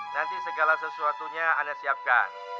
nanti segala sesuatunya anda siapkan